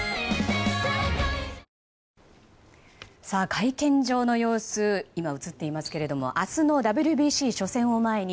会見場の様子が映っていますが明日のＷＢＣ初戦を前に